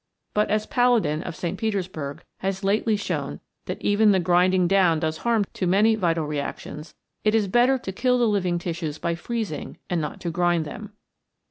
But, as Palladin, of St. Petersburg, has lately shown that even the grinding down does harm to many vital reactions, it is better to kill the living tissues by freezing and not to grind them.